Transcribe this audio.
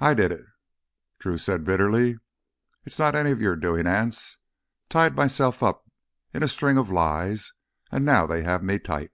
"I did it," Drew said bitterly. "It's not any of your doin', Anse. Tied myself up in a string of lies and now they have me tight.